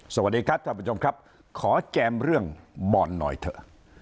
สวัสดีครับท่านผู้ชมครับขอแจมเรื่องบอลหน่อยเถอะ